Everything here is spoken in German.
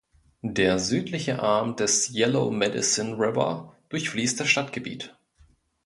Der südliche Arm des Yellow Medicine River durchfließt das Stadtgebiet.